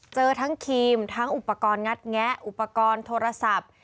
เจอทั้งครีมทั้งอุปกรณ์งัดแงะอุปกรณ์โทรศัพท์